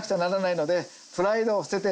プライドを捨てて。